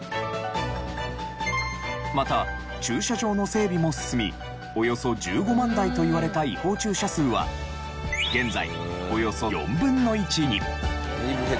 また駐車場の整備も進みおよそ１５万台といわれた違法駐車数は現在およそ４分の１に。